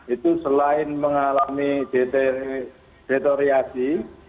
itu selain mengalami deteriorasi